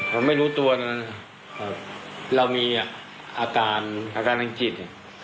เราไม่รู้ตัวนะครับเรามีอาการในจิต